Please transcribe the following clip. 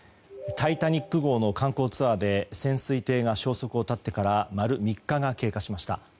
「タイタニック号」の観光ツアーで潜水艇が消息を絶ってから丸３日が経過しました。